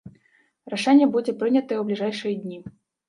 Рашэнне будзе прынятае ў бліжэйшыя дні.